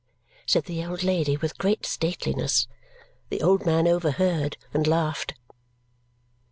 said the old lady with great stateliness. The old man overheard, and laughed.